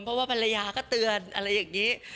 เพราะว่าภรรยาก็เตือนอะไรอย่างนี้